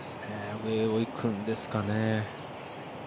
上に行くんですかね。